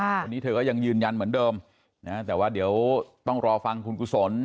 วันนี้เธอก็ยังยืนยันเหมือนเดิมนะฮะแต่ว่าเดี๋ยวต้องรอฟังคุณกุศล